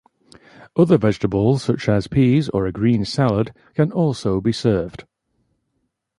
Other vegetables such as peas or a green salad can also be served.